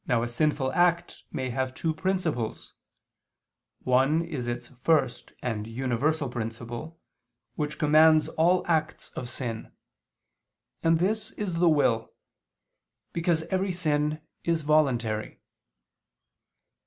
Now a sinful act may have two principles: one is its first and universal principle, which commands all acts of sin; and this is the will, because every sin is voluntary.